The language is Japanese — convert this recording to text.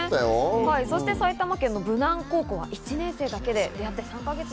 そして埼玉県の武南高校は１年生だけでやって。